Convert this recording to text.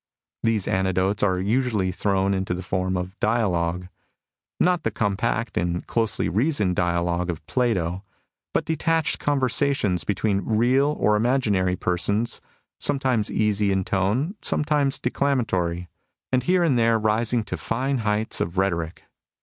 These anecdotes are usually thrown into the form of dialogue — not the compact and closely reasoned dialogue of Plato, but detached conversations between real or imaginary persons, sometimes easy in tone, sometimes declamatory, and here and there rising to fine heights of rhetoric.